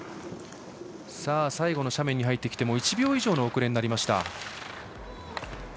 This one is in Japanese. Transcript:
最後の斜面に入ってきて１秒以上の遅れになりました。